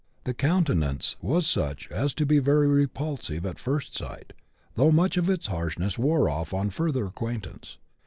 The countenance was such as to be very repulsive at first sight, though much of its harshness wore off on further acquaintance.